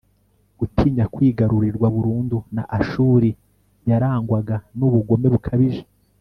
gutinya kwigarurirwa burundu na ashuri yarangwaga n'ubugome bukabije